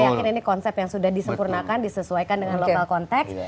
saya yakin ini konsep yang sudah disempurnakan disesuaikan dengan lokal konteks